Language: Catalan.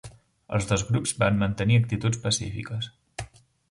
Els dos grups van mantenir actituds pacífiques